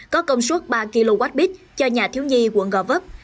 có công suất ba kwh cho nhà thiếu nhi quận gò vấp